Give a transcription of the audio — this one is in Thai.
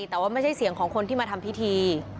แต่ว่าไม่ใช่เสียงของคนที่มาทำพิธี